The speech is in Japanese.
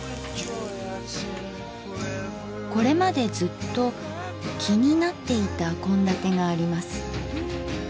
これまでずっと気になっていた献立があります。